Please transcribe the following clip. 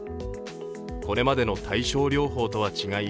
これまでの対症療法とは違い